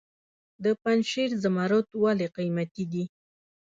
د پنجشیر زمرد ولې قیمتي دي؟